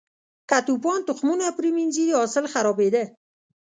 که توپان تخمونه پرې منځي، حاصل خرابېده.